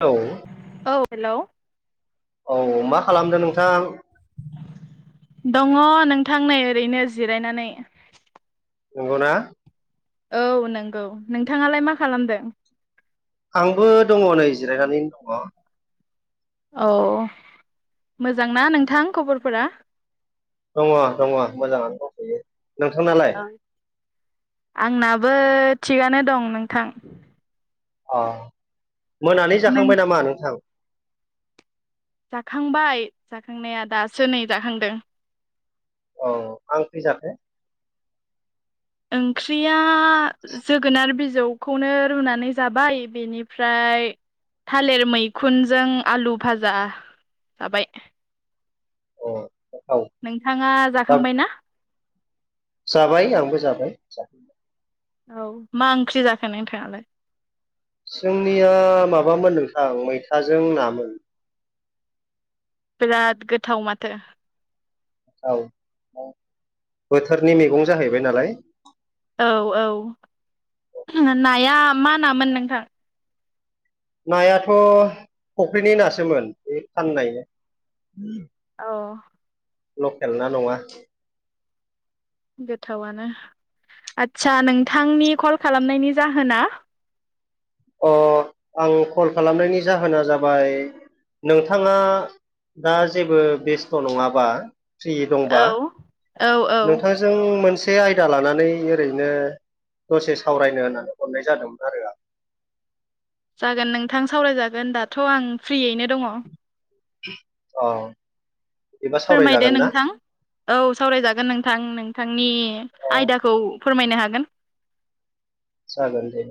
औ। औ हेलौ। औ मा खालामदों नोंथां? दङ नोंथां नै ओरैनो जिरायनानै। नंगौना। औ नंगौ नोंथाङालाय मा खालामदों? आंबो दङ नै जिरायनानैनो दङ। औ मोजांना नोंथां खबरफोरा? दङ दङ मोजाङानो दंथयो। नोंथांनालाय? ओं आंनाबो थिगानो दं नोंथां। अ मोनानि नों जाखांबाय नामा नोंथां? जाखांबाय जाखांनाया दासो नै जाखांदों। अ मा ओंख्रि जाखो? ओंख्रिया जोगोनार बि बिजौखौनो रुनानै जाबाय बेनिफ्राय। थालिर मैखुनजों आलु भाजा जाबाय। औ। नोंथाङा दा जाखांबाय ना? जाबाय आंबो जाबाय जाबाय। औ मा ओंख्रि जाखो नोंथाङालाय? जोंनिया माबामोन नोंथां मैथाजों नामोन। बिराद गोथाव माथो। औ बोथोरनि मैगं जाहैबाय नालाय। औ औ नाया मा नामोन नोंथां? नायाथ' फख्रिनि नासोमोन बे फाननाय औ लकेल ना नङा। गोथावनो आदसा नोंथांनि कल खालामनायनि जाहोना अ आं कल खालामनायनि जाहोना जाबाय नोंथाङा दा जेबो बेस्थ' नङाबा फ्रि औ दंबा औ औ नोंथांजों मोनसे से आयदा लानानै ओरैनो दसे सावरायनो होननानै हरनाय जादोंमोन आरो आं। जागोन नोंथां सावरायजागोन दाथ' आं फ्रियैनो दङ। अ फोरमायदो नोंथां औ सावरायजागोन नोंथां नोंथांनि अ आयदाखौ फोरमायनो हागोन जागोन दे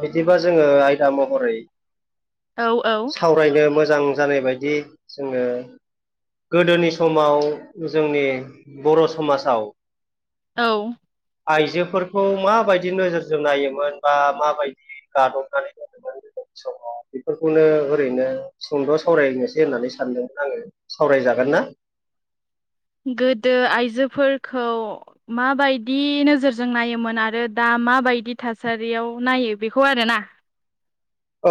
बिदिबा जोङो आयदा महरै औ औ सावरायनो मोजां जानाय बायदि जोङो गोदोनि समाव जोंनि बर' समाजाव औ आइजोफोरखौ माबायदि नोजोरजों नायोमोन बा माबायदि गादबनानै जादोंमोन स बेफोरखौनो ओरैनो सुंद' सावरायनोसै होननानै सानदों आङो सावराय जागोन ना? [inaudible] गोदो आइजोफोरखौ माबायदि नोजोरजों नायोमोन आरो दा माबायदि थासारियाव नायो बेखौ आरोना।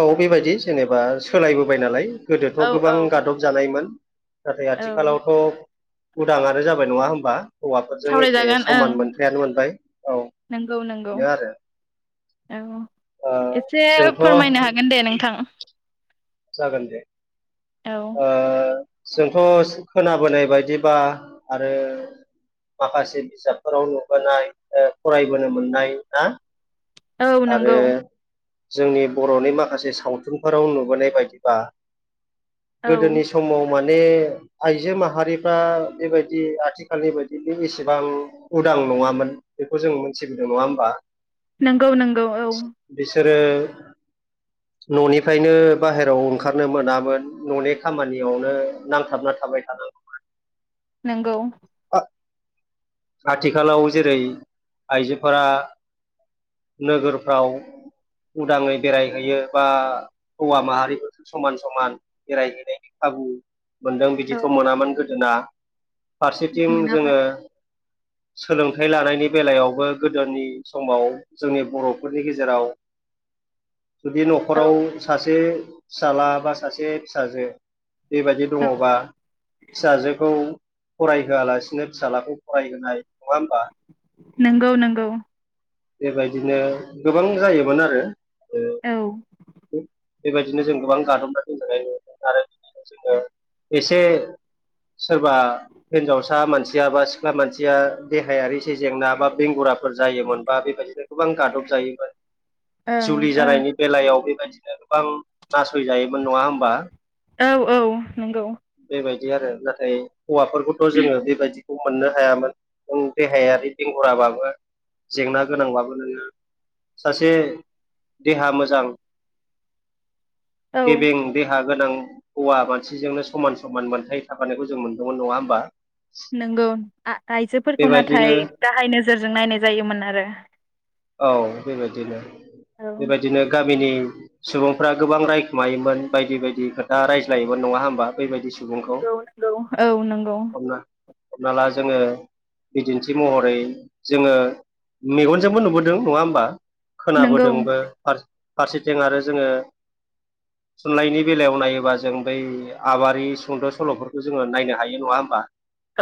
औ बेबायदि जेनेबा सोलायबोबाय नालाय गोदोथ' औ गोबां औ गादब जानायमोन। नाथाय औ आथिखालावथ' उदाङानो जाबाय नङा होमबा। हौवाफोरजों एखे सावरायजागोन ओं समान मोनथायानो मोनबाय औ नंगौ नंगौ बेनो आरो औ ओ एसे जोंथ' फोरमायनो हागोन दे नोंथां। जागोन दे। औ ओ जोंथ' खोनाबोनाय बायदिबा आरो माखासे बिजाबफोराव नुबोनाय फरायबोनो मोननाय ना औ आरो नंगौ। जोंनि बर'नि माखासे सावथुनफोराव नुबोनाय बायदिबा औ गोदोनि समाव माने आइजो माहारिफ्रा बेबायदि आथिखालनि बायदि बे एसेबां उदां नङामोन बेखौ जों मोनथिबोदों नङा होमबा। नंगौ नंगौ औ। बिसोरो न'निफ्रायनो बाहेरायाव ओंखारनो मोनामोन। न'नि खामानियावनो नांथाबना थाबाय थानांगौमोन। नंगौ। आथिखालाव जेरै आइजोफोरा नोगोरफ्राव उदाङै बेरायहैयो बा हौवा माहारिफोरखौ समान समान बेरायहैनायनि खाब बु मोनदों। औ बिदिथ' मोनामोन गोदोना फारसेथिं मोना जोङो मोना [inaudible] सोलोंथाइ लानायनि बेलायावबो गोदोनि समाव जोंनि बर'फोरनि गेजेराव [inaudible] जुदि औ न'खराव सासे फिसला बा सासे फिसाजो बेबायदि औ दङबा फिसाजोखौ फरायहोआलासिनो फिसाज्लाखौ फरायहोनाय नङा होमबा? नंगौ नंगौ। बेबायदिनो गोबां जायोमोन आरो। औ। बेबायदिनो जों गोबां गादबना दोनजानाय नुदों आरो जोङो एसे सोरबा हिनजावसा मानसिया बा सिख्ला मानसिया देहायारि से जेंना बा बेंगुरा फोर जायोमोनबा बेबायदिनो गोबां गादब जायोमोन। ओं जुलि औ जानायनि बेलायाव बेबायदिनो गोबां नासय जायोमो न नङा होमबा? औ नंगौ बेबायद दि आरो नाथाय हौवाफोरखौथ' जोङो बेबायदि खौ मोननो हायामोन। नों देहायारि बेंहुराबाबो जेंना गोनांबाबो नोङो सासे देहा मोजां औ गेबें देहा गोनां हौवा मानसिजोंनो समान समान मोनथाय थाबानायखौ जों मोनदोंमोन। नङा होमबा? नोंगौ। आइजोफोरखौ बेबायदिनो नाथाय गाहाय नोजोरजों नायनाय जायोमोन आरो। औ बेबायदिनो औ बेबायदिनो गाम मिनि सुबुंफ्रा गोबां रायखुमायोमोन बायदि बायदि खोथा रायज्लायोमोन। नङा होमबा? बेबायदि औ नंगौ औ नंगौ। हमना हमना ला जोङो बिदिन्थि महरै जोङो मेगनजोंबो नुबो दों। नङा होमबा? नंगौ खोनाबोदोंबो फार फारसेथिं आरो जोङो थुनलाइनि बेलायाव नायोबा जों बै आबारि सुंद' सल'फोरखौ जोङो नायनो हायो। नङा होमबा?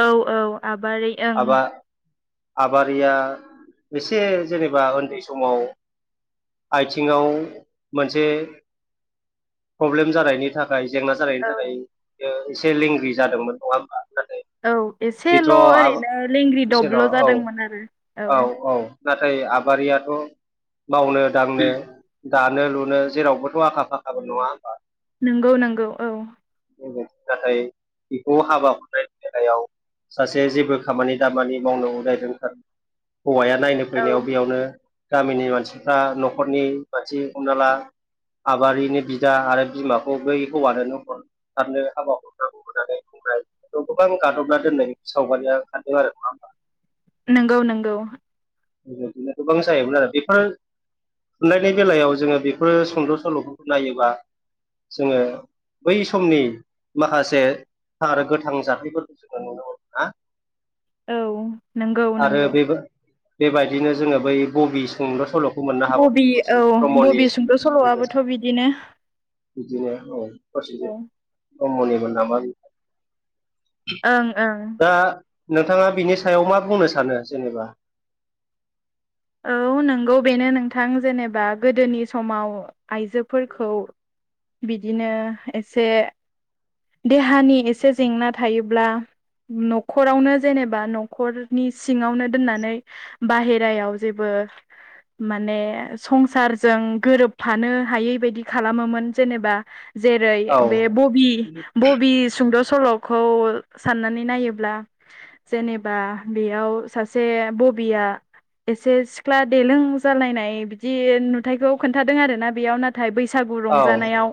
औ औ आबारि ओं। आबा आबारिया एसे जेनेबा उन्दै समाव आथिङाव मोनसे प्रब्लेम जानायनि थाखाय जेंना जानायनि औ थाखाय एसे लेंग्रि जादोंमोन। नङा होमबा? नाथाय औ बेथ' एसेल' आब ओरैनो लेंग्रि इसोर दबल' औ जादोंमोन आरो औ। नाथाय आबारियाथ' मावनो दांनो दानो लुनो जेरावबोथ' आखा फाखाबो। नङा होमबा? नंगौ नंगौ औ। नाथाय बेखौ हाबा हरनायनि बेलायाव सासे जेबो खामानि दामानि उदाय रोंथारै हौवाया नायनो औ फैनायाव बेयावनो गामिनि मानसिफ्रा न'खरनि मानसि हमना ला आबारिनि बिदा आरो बिमाखौ बै हौवानो हरथारनो हाबा हरथारनांगौ हो नानै गोबां गादबना दोननाय सावगारिया ओंखारदों आरो। नङा होमबा? नंगौ नंगौ। गोबां जायोमोन आरो बेफोर बेलायाव जोङो बेफोरो सुंद' सल'फोरखौ नायोबा जोङो बै समनि माखासे थार गोथां जाथायफोरखौ जोङो नुनो मोनो ना। औ नंगौ नंगौ। बे बेबायदिनो जोङो बै बबि सुंद' सल' मोननो हाबावो बबि औ प्रसेनजित ब्रह्मनि बबि सुंद' सल'आबोथ' बिदिनो बिदिनो औ प्रसेनजित ओं ब्रह्मनिमोन नामा ओं ओं। दा नोंथाङा बिनि सायाव मा बुंनो सानो जेनेबा? औ नंगौ बेनो नोंथां जेनेबा गोदोनि समाव आइजोफोरखौ बिदिनो एसे देहानि एसे जेंना थायोब्ला। न'खरावनो जेनेबा न'खरनि सिङावनो दोननानै बाहेरायाव जेबो [unintelligible] माने संसारजों गोरोबफानो हायै बायदि खालामोमोन जेनेबा जेरै औ बे बबि बबि सुंद' सल'खौ साननानै नायोब्ला जेनेबा बेयाव आव सासे बबिया एसे सिख्ला देलों जालायनाय बिदि नुथायखौ खोन्थादों आरोना बेयाव नाथाय बै सागु औ रंजानायाव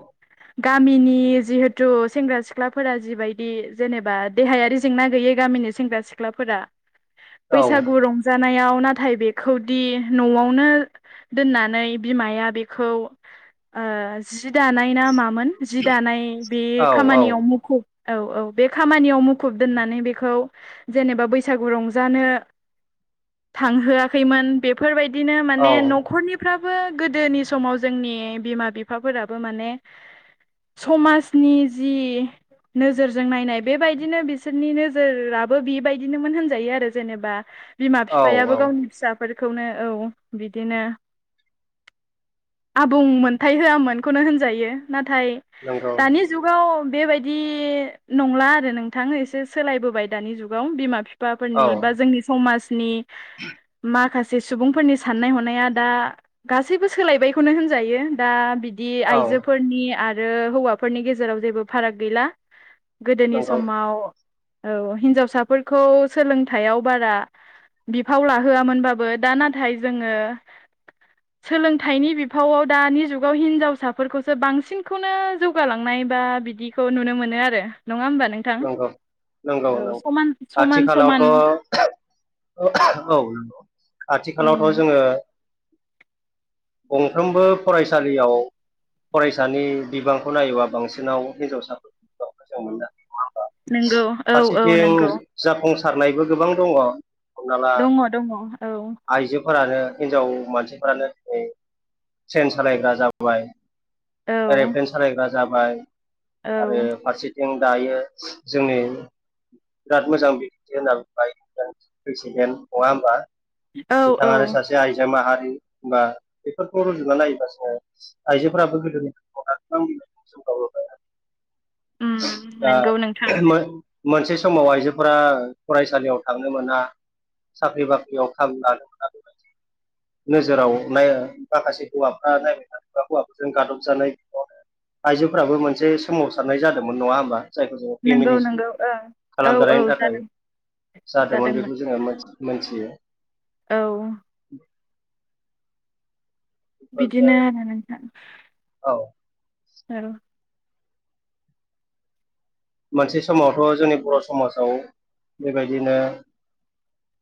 गामिनि जिहे थु' सेंग्रा सिख्लाफोरा जिबायदि जेनेबा देहायारि जेंना गैयै गामिनि सेंग्रा सिख्लाफोरा। औ बैसागु रंजानायाव नाथाय बेखौदि न'आवनो दोननानै बिमाया बेखौ ओ जि दानाय ना मामोन जि दानाय बे औ खामानियाव मुखुब औ औ बे खामानियाव मुखुब दोननानै बेखौ जेनेबा बैसागु रंजानो थांहोआखैमोन बेफोरबायदिनो औ माने न'खरनिफ्रा बो गोदोनि समाव जोंनि बिमा बिफाफोराबो माने समाज नि जि नोजोरजों नायनाय बेबायदिनो बिसोरनि नोजोराबो बेबायदिनोमोन होनजायो आरो जेनेबा बिमा औ फिफायाबो औ गावनि फिसाफोरखौनो औ बिदिनो। आबुं मोनथाय होआमोनखौनो होनजायो। नाथाय नंगौ दानि जुगाव बेबाय दि नंला आरो नोंथां एसे सोलायबोबाय दानि जुगाव बिमा फि औ फाफोरनि बा जोंनि समाजनि माखास से सुबुंफोरनि साननाय हनाया दा गासैबो सोलायबायखौनो होनजायो दा बि दि औ आइजोफोरनि आरो हौवाफोरनि गेजेराव जेबो फाराग गैला। गोदोनि नंगौ नंगौ समाव औ हिन्जावसाफोरखौ सोलोंथायाव बारा बिफाव लाहोआमोनबाबो दा नाथाय जोङो सोलोंथाइनि बिफावआव दानि जुगाव हिनजावसाफोरखौसो बांसिनखौनो जौ गालांनाय बा बिदिखौ नुनो मोनो आरो। नङा होमबा नोंथां? नंगौ औ नंगौ समान समान समान। आथिखालावथ' औ औ उम आथिखालावथ' जोङो गंफ्रोमबो फरायसालियाव फरायसानि बिबांखौ नायोबा बांसिनाव हिनजावसाफोरखौ जों मोननो‌हायो। नङा होमबा? नंगौ औ औ फारसेथिं नंगौ जाफुंसारनायबो गोबां दङ। दङ दङ औ। फोरानो हिनजाव मानसिफोरानो दिनै ट्रेन सालायग्रा जाबाय एर'प्लेन सालायग्रा जाबाय आरो फारसे जों दायो जोंनि [unintelligible] औ औ बिथाङानो सासे आइजो माहारि बा बेफोरखौ रुजुना नायोबा जोङो आइजोफोराबो गोदोनि [unintelligible] [inaudible] दा नंगौ नोंथां मा मोनसे समाव आइजोफोरा फरायसालियाव थांनो मोना साख्रि बाख्रियाव खाबु लानो मोना बेबादि। [inaudible] नोजोराव नायो माखासे हौवाफ्रा नायबाय थोनोबा हौवाफोरजों गादबजानाय [unintelligible] आइजोफोराबो मोनसे सोमावसारनाय जादोंमोन। नङा होमबा? जायखौ जोङो नंगौ फेमिनिसम नंगौ ओं औ औ खालामजानायनि थाखाय जादों जादोंमोन बेखौ जोङो मोनथि मोनथियो। औ। [inaudible] बिदिनो आरो नोंथां। औ औ। मोनसे समावथ' जोंनि बर' समाजाव बेबायदिनो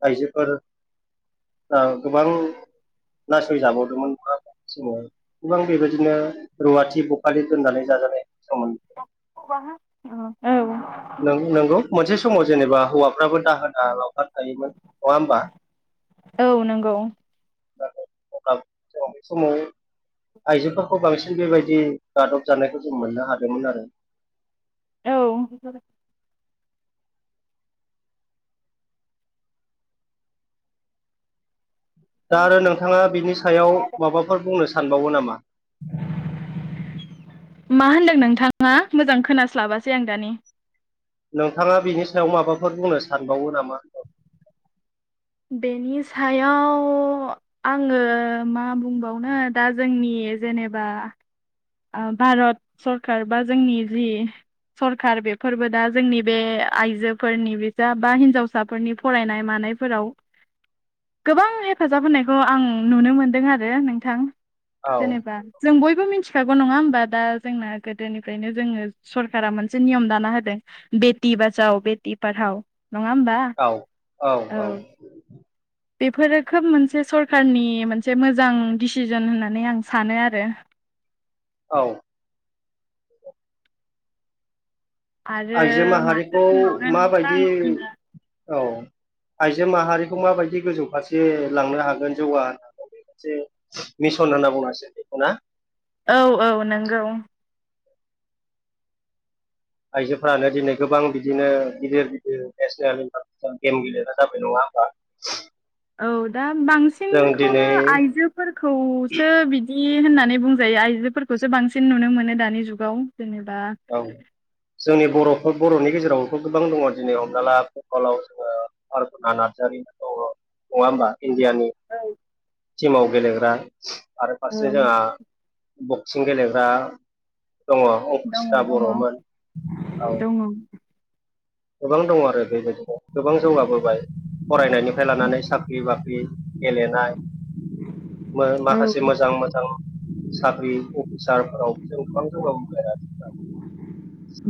आइजोफोर गोबां नासयजाबावदोंमोन बा जोङो गोबां बेबायदिनो रुवाथि बखालि दोननानै जाजानाय सममोन औ नंगौ मोनसे समाव जेनेबा हौवाफ्राबो दाहोना लावखार थायोमोन नङा होनबा औ नंगौ [unintelligible] आइजोफोरखौ बांसिन बेबायदि गादब जानायखौ जों मोननो हादोंमोन आरो औ दा आरो नोंथाङा बिनि सायाव माबाफोर बुंनो सानबावो नामा [inaudible] मा होनदों नोंथाङा मोजां खोनास्लाबासै आं दानि नोंथाङा बिनि सायाव माबाफोर बुंनो सानबावो नामा बेनि सायाव आङो मा बुंबावनो दा जोंनि जेनेबा भारत सरखार बा जोंनि जि सरखार बेफोरबो दा जोंनि बे आइजोफोरनि बिजा बा हिनजावसाफोरनि फरायनाय मानाय फोराव गोबां हेफाजाब होनायखौ आं नुनो मोनदों आरो नोंथां औ जेनेबा जों बयबो मिथि [unintelligible] बेथि बाजाव बेटि बारहाव नङा होमबा औ औ बेफोरो खोब मोनसे सरखारनि मोनसे मोजां दिसिजन होननानै आं सानो आरो औ आरो आइजो माथो माहारिखौ बुंबावनो नोंथां माबायदि औ आइजो माहारिखौ माबायदि गोजौ फारसे लांनो हागोन जौगा होनो हागोन मोनसे मिसन होनना बुंनांसिगोन बेखौ ना औ औ नंगौ आइजोफ्रानो दिनै गोबां बिदिनो गिदिर गिदिर नेसनेल इन्टारनेसनेल गेम गेलेग्रा जाबाय नङा औ औ दा बांसिनखौनो आइजोफोरखौसो बिदि होननानै बुंजायो आइजोफोरखौसो बांसिन नुनो मोनो दानि जुगाव जेनेबा औ जोंनि बर'फोर बर'नि गेजेरावबोथ' गोबां दङ दिनै हमना ला [unintelligible] जोङो अरपना नार्जारि दङ [inaudible] नङा होनबा इण्डियानि औ टिमाव गेलेग्रा आरो औ फारसे जोंहा बक्सिं गेलेग्रा दङ दङ अंकुसिता दङ बर'मोन औ दङ गोबां दं आरो बेबायदिनो गोबां जौगाबोबाय फरायनायनिफ्राय लानानै साख्रि बाख्रि गेलेनाय औ माखासे मोजां मोजां साख्रि अफिसारफोरावबो जों गोबां जौगाबोबाय आरो नोंथां